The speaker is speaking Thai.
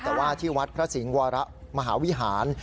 แต่ว่าที่วัดพระสิงห์วรมหาวิหาร